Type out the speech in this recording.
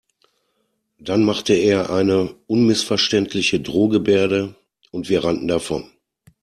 Dann machte er eine unmissverständliche Drohgebärde und wir rannten davon.